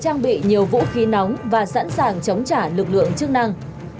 trang bị nhiều vũ khí nóng và sẵn sàng chống trả lực lượng chức năng